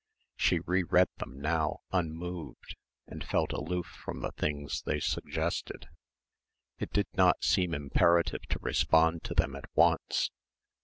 She re read them now unmoved and felt aloof from the things they suggested. It did not seem imperative to respond to them at once.